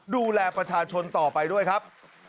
ดูแลประชาชนต่อไปด้วยครับ